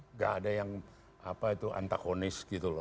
nggak ada yang apa itu antagonis gitu loh